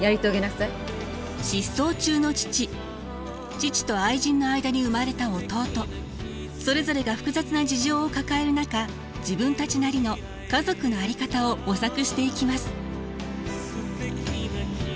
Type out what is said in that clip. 失踪中の父父と愛人の間に生まれた弟それぞれが複雑な事情を抱える中自分たちなりの家族の在り方を模索していきます。